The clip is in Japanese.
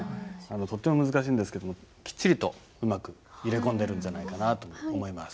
とっても難しいんですけどもきっちりとうまく入れ込んでいるんじゃないかなと思います。